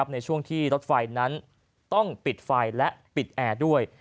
ในช่วงที่รถไฟนั้นต้องปิดไฟและปิดแอร์ด้วย